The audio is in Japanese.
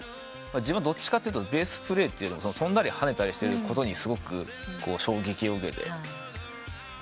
自分はどっちかというとベースプレーというより跳んだり跳ねたりしてることにすごく衝撃を受けて。